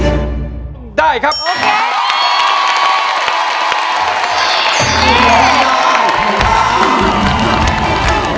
ร้องได้ให้ร้อง